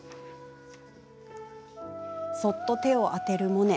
そっと手を当てるモネ。